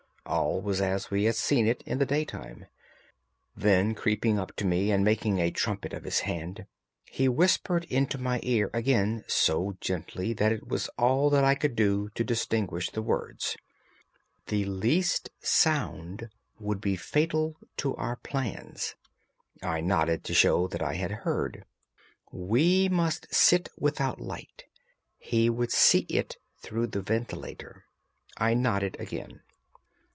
All was as we had seen it in the daytime. Then creeping up to me and making a trumpet of his hand, he whispered into my ear again so gently that it was all that I could do to distinguish the words: "The least sound would be fatal to our plans." I nodded to show that I had heard. "We must sit without light. He would see it through the ventilator." I nodded again.